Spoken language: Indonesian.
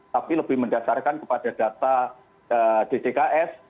tapi lebih mendasarkan kepada data dcks